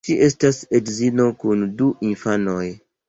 Ŝi estas edzino kun du infanoj.